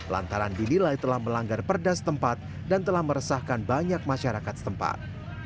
lantaran dinilai telah melanggar perda setempat dan telah meresahkan banyak masyarakat setempat